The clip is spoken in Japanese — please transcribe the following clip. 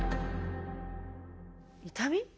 痛み？